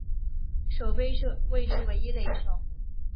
守备位置为一垒手。